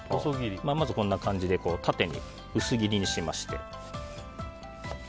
まず、こんな感じで縦に薄切りにしまして。